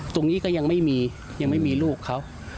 ตรงนี้ก็ยังไม่มียังไม่มีลูกเขา